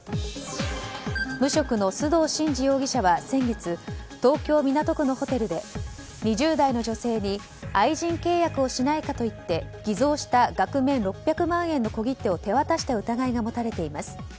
無職の須藤慎司容疑者は先月東京・港区のホテルで２０代の女性に愛人契約をしないかと言って偽造した額面６００万円の小切手を手渡した疑いが持たれています。